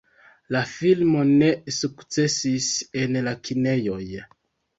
La filmo ne sukcesis en la kinejoj.